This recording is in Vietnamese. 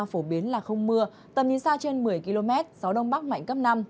khu vực tây nguyên là không mưa tầm nhìn xa trên một mươi km gió đông bắc mạnh cấp năm